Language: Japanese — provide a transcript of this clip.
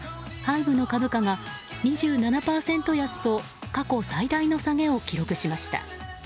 ＨＹＢＥの株価が２７％安と過去最大の下げを記録しました。